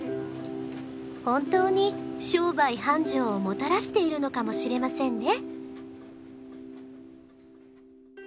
本当に商売繁盛をもたらしているのかもしれませんね。